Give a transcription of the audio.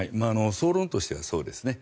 総論としてはそうですね。